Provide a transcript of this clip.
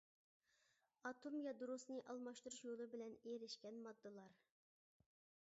ئاتوم يادروسىنى ئالماشتۇرۇش يولى بىلەن ئېرىشكەن ماددىلار.